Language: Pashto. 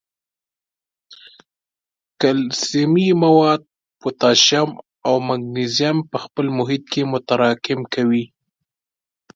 کلسیمي مواد، پوټاشیم او مګنیزیم په خپل محیط کې متراکم کوي.